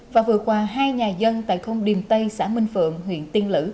và vừa qua hai nhà dân tại không điềm tây xã minh phượng huyện tiên lữ